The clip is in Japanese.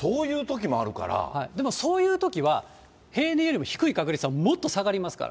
でも、そういうときは、平年よりも低い確率はもっと下がりますから。